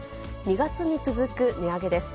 ２月に続く値上げです。